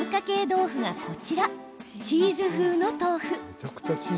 豆腐がこちら、チーズ風の豆腐。